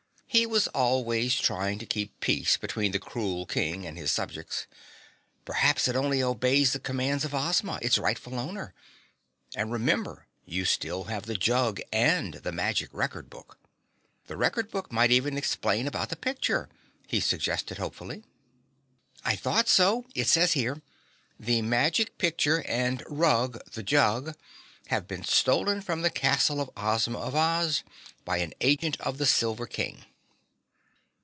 He was always trying to keep peace between the cruel King and his subjects. "Perhaps it only obeys the commands of Ozma, its rightful owner. And remember, you still have the jug and the magic record book. The record book might even explain about the picture," he suggested hopefully. "I thought so, it says here: 'The magic picture and Rug, the jug, have been stolen from the castle of Ozma of Oz by an agent of the Silver King.'"